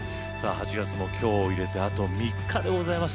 ８月も今日入れてあと３日でございます。